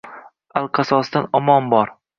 Alqasosdan omon bor.